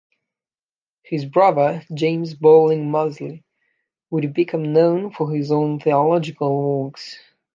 His brother, James Bowling Mozley, would become known for his own theological works.